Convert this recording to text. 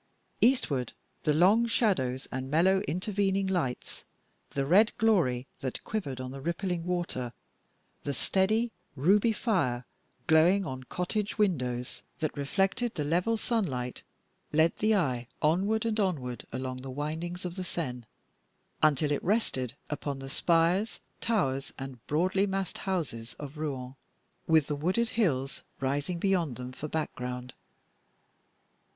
Eastward, the long shadows and mellow intervening lights, the red glory that quivered on the rippling water, the steady ruby fire glowing on cottage windows that reflected the level sunlight, led the eye onward and onward, along the windings of the Seine, until it rested upon the spires, towers, and broadly massed houses of Rouen, with the wooded hills rising beyond them for background.